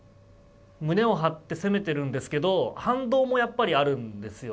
胸を張って攻めてるんですけど反動もやっぱりあるんですよね